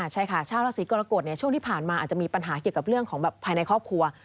ใช่ค่ะชาวราศีกรกฎช่วงที่ผ่านมาอาจจะมีปัญหาเกี่ยวกับเรื่องของภายในครอบครัว